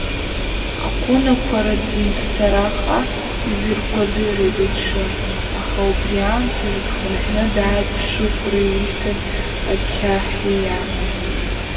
Аҟәынақәа раӡынԥсараха изыркәадырит иҽы, аха убри аамҭазы дхынҳәны дааит ԥшыхәра иишьҭыз ақьаҳиа.